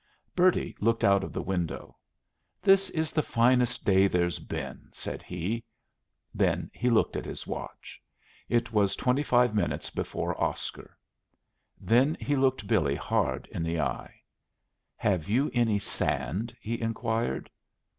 Bertie looked out of the window. "This is the finest day there's been," said he. Then he looked at his watch. It was twenty five minutes before Oscar. Then he looked Billy hard in the eye. "Have you any sand?" he inquired.